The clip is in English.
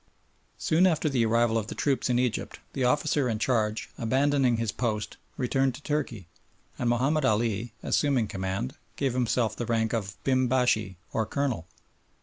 Soon after the arrival of the troop in Egypt the officer in charge, abandoning his post, returned to Turkey, and Mahomed Ali, assuming command, gave himself the rank of Bim Bashi, or Colonel.